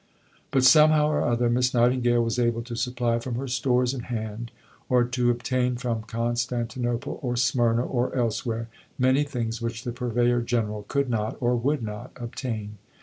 But, somehow or other, Miss Nightingale was able to supply from her stores in hand, or to obtain from Constantinople or Smyrna or elsewhere, many things which the Purveyor General could not, or would not, obtain.